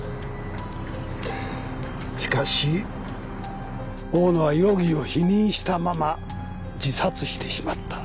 しかし大野は容疑を否認したまま自殺してしまった。